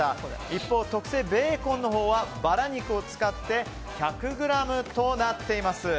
一方、特製ベーコンのほうはバラ肉を使って１００ｇとなっています。